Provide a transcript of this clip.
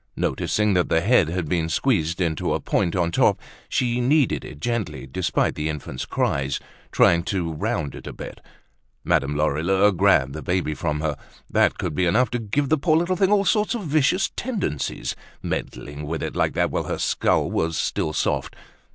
Noticing that the head had been squeezed into a point on top, she kneaded it gently despite the infant's cries, trying to round it a bit. Madame Lorilleux grabbed the baby from her; that could be enough to give the poor little thing all sorts of vicious tendencies, meddling with it like that while her skull was still soft.